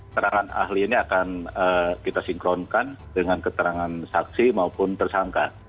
terangan ahli ini akan kita sinkronkan dengan keterangan saksi maupun tersangka